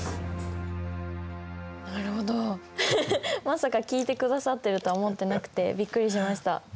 まさか聞いてくださってるとは思ってなくてびっくりしました。